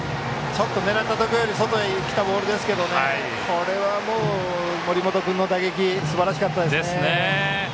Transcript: ちょっと狙ったところより外へ来たボールですけれどもこれは森本君の打撃がすばらしかったですね。